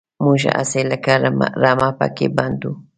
موږ هسې لکه رمه پکې پنډ وو.